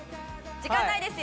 時間ないですよ。